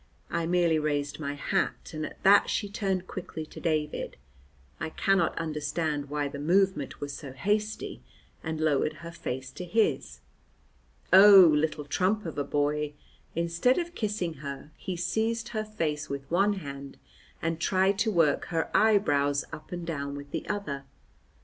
I merely raised my hat, and at that she turned quickly to David I cannot understand why the movement was so hasty and lowered her face to his. Oh, little trump of a boy! Instead of kissing her, he seized her face with one hand and tried to work her eyebrows up and down with the other.